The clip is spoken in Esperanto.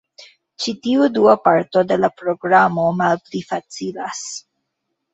Ĉi tiu dua parto de la programo malpli facilas.